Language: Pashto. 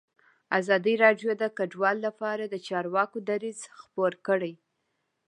ازادي راډیو د کډوال لپاره د چارواکو دریځ خپور کړی.